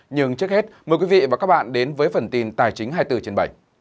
nhưng trước hết mời quý vị và các bạn đến với phần tin tài chính hai mươi bốn trên bảy